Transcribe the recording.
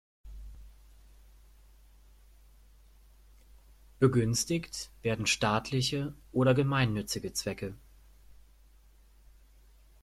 Begünstigt werden staatliche oder gemeinnützige Zwecke.